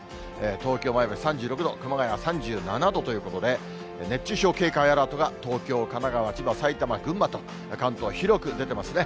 東京、前橋３６度、熊谷３７度ということで、熱中症警戒アラートが東京、神奈川、千葉、埼玉、群馬と、関東広く出てますね。